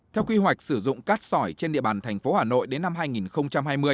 theo quy hoạch sử dụng cát sỏi trên địa bàn thành phố hà nội đến năm hai nghìn hai mươi